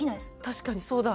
確かにそうだ。